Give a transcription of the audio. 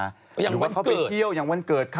หรือว่าเขาไปเที่ยวอย่างวันเกิดเขา